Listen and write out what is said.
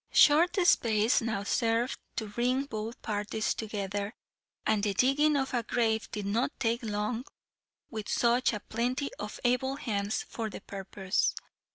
Short space now served to bring both parties together, and the digging of a grave did not take long with such a plenty of able hands for the purpose.